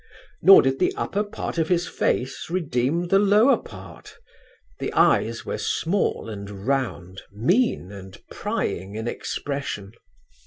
Nor did the upper part of his face redeem the lower part. His eyes were small and round, mean and prying in expression.